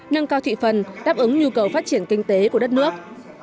nâng cao thị phần đáp ứng nhu cầu phát triển kinh tế của đất nước